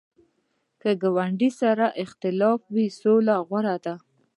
که ګاونډي سره اختلاف وي، صلح غوره ده